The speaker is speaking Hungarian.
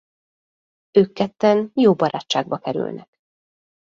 Ők ketten jó barátságba kerülnek.